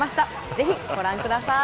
ぜひご覧ください。